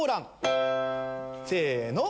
せの！